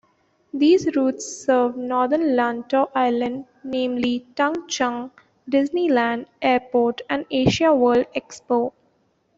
These routes serve Northern Lantau Island, namely Tung Chung, Disneyland, Airport and AsiaWorld-Expo.